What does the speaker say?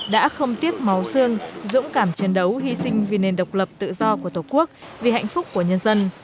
đã không tiếc máu xương dũng cảm chiến đấu hy sinh vì nền độc lập tự do của tổ quốc vì hạnh phúc của nhân dân